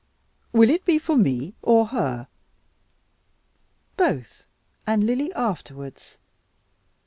"Will it be for me, or her?" "Both; and Lily afterwards."